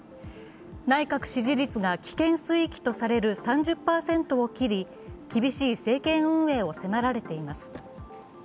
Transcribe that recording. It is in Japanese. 内閣支持率が危険水域とされる３０％を切り厳しい政権運営を迫られています。